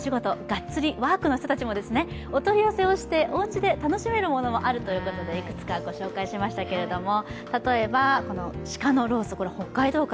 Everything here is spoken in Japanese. がっつりワークの人たちもお取り寄せをしておうちで楽しめるものがあるということでいくつか御紹介しましたけども。